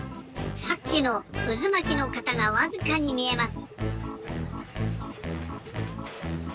さっきのうずまきの型がわずかにみえます！